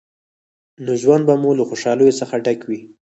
نو ژوند به مو له خوشحالیو څخه ډک وي.